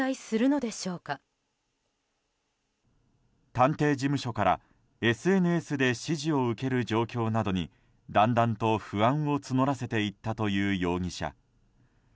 探偵事務所からＳＮＳで指示を受ける状況などにだんだんと不安を募らせていったという容疑者。